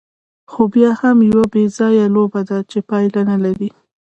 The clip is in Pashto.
خو بیا هم یوه بېځایه لوبه ده، چې پایله نه لري.